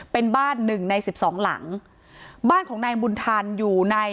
เป็นบ้านหนึ่งในสิบสองหลังบ้านของนายบุญทันอยู่ใน